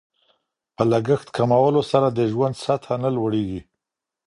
په لګښت کمولو سره د ژوند سطحه نه لوړیږي.